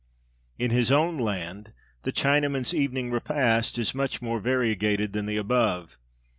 In his own land the Chinaman's Evening Repast is much more variegated than the above.